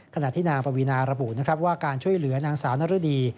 ขณะที่นางปวีนาระบุนะครับว่าการช่วยเหลือนางสาวนรดี